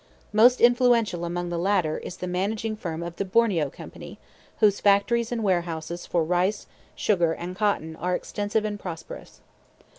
Most influential among the latter is the managing firm of the Borneo Company, whose factories and warehouses for rice, sugar, and cotton are extensive and prosperous.